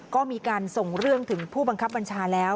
ก็มีการส่งเรื่องถึงผู้บังคับบัญชาแล้ว